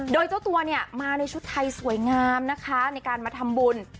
โดยเจ้าตัวเนี่ยมาในชุดไทยสวยงามนะคะในการมาทำบุญ